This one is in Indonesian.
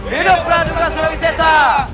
hidup paduka surawis sesa